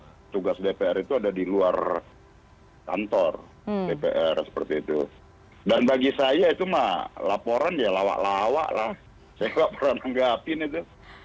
jadi tugas dpr itu ada di luar kantor dpr seperti itu dan bagi saya itu mah laporan ya lawak lawak lah saya laporan menganggapin itu